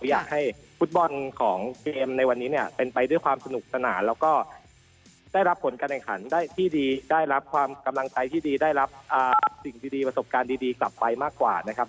อยากให้ฟุตบอลของเกมในวันนี้เนี่ยเป็นไปด้วยความสนุกสนานแล้วก็ได้รับผลการแข่งขันได้ที่ดีได้รับความกำลังใจที่ดีได้รับสิ่งดีประสบการณ์ดีกลับไปมากกว่านะครับ